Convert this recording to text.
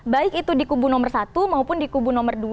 baik itu di kubu nomor satu maupun di kubu nomor dua